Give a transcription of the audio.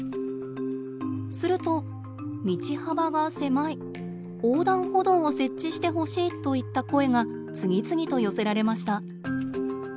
すると「道幅が狭い」「横断歩道を設置してほしい」といった声が次々と寄せられました。